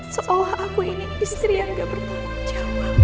seolah aku ini istri yang gak bertemu jawa